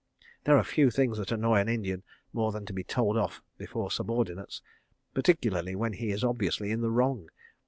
There are few things that annoy an Indian more than to be "told off" before subordinates, particularly when he is obviously in the wrong.